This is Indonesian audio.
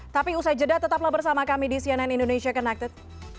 tapi usai jeda tetaplah bersama kami di cnn indonesia connected